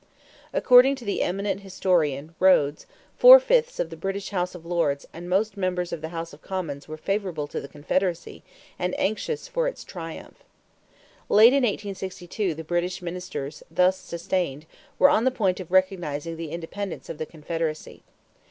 According to the eminent historian, Rhodes, "four fifths of the British House of Lords and most members of the House of Commons were favorable to the Confederacy and anxious for its triumph." Late in 1862 the British ministers, thus sustained, were on the point of recognizing the independence of the Confederacy.